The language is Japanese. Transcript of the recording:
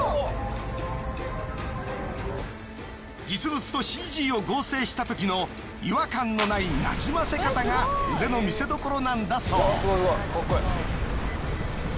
実物とＣＧを合成したときの違和感のないなじませ方が腕の見せどころなんだそう。